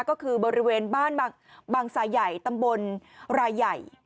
ก็คือบริเวณบ้านบางสายใหญ่ตำบลรายใหญ่